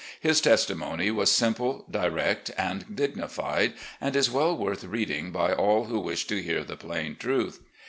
His testimony was simple, direct, and dignified, and is well worth reading by all who wish to hear the plain truth.